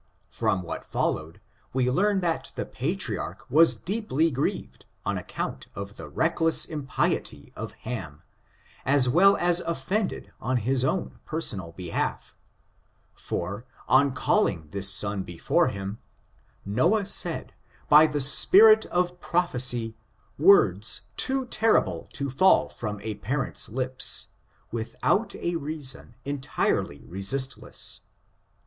From what followed, we learn that the Patriarch was ^^ I :'': I I I i I i I FORTUNES, OF THE NEGRO RACE. deeply grieved on account of the reckless impiety of Ham, as well as offended on his own personal behalf; for, on calling this son before him, NocJi said, by the spirit of Prophesy, words too terrible to fall from a parents lips, without a reason entirely resistless.